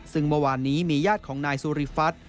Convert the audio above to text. ซึ่งเมื่อวานนี้มีญาติของนายสุริฟัฒน